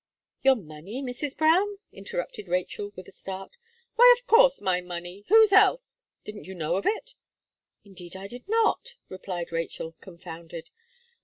"Your money, Mrs. Brown?" interrupted Rachel, with a start. "Why, of course, my money. Whose else? Didn't you know of it?" "Indeed, I did not," replied Rachel, confounded.